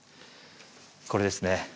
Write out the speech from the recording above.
これですね